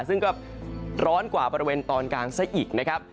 ซึ่งก็ร้อนกว่าบริเวณตอนกลางซะอีกนะครับ